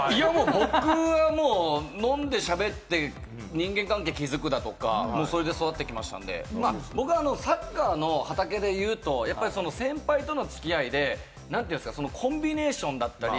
僕はもう、飲んで喋って人間関係築くだとか、それで育ってきましたんで、僕はサッカーの畑で言いますと、先輩との付き合いでコンビネーションだったり、